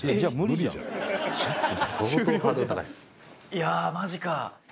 「いやあマジか」